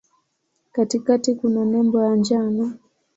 Katikati kuna nembo ya njano.